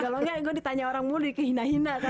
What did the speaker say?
kalo enggak gue ditanya orang mulu dikehina hina